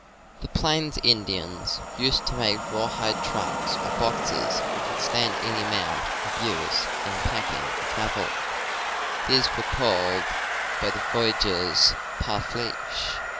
The plains Indians used to make rawhide trunks or boxes which would stand any amount of abuse in pack p ^. ing and travel. These were called by the voyageurs parfleche.